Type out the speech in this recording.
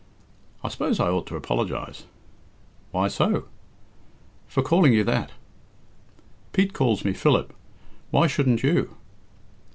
"I suppose I ought to apologise." "Why so?" "For calling you that." "Pete calls me Philip. Why shouldn't you?"